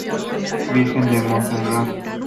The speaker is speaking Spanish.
Virgen de Monserrat.